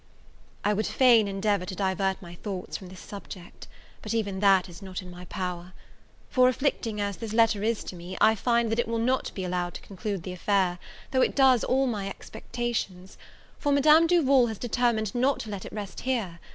I would fain endeavour to divert my thoughts from this subject; but even that is not in my power; for, afflicting as this letter is to me, I find that it will not be allowed to conclude the affair, though it does all my expectations; for Madame Duval has determined not to let it rest here.